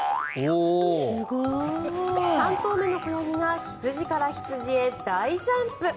３頭目の子ヤギが羊から羊へ大ジャンプ。